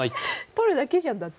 取るだけじゃんだって。